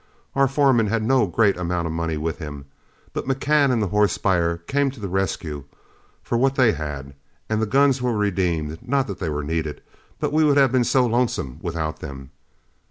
Our foreman had no great amount of money with him, but McCann and the horse buyer came to the rescue for what they had, and the guns were redeemed; not that they were needed, but we would have been so lonesome without them.